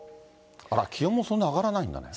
気温もそんな上がらないんだね。